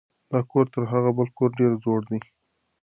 دا کور تر هغه بل کور ډېر زوړ دی.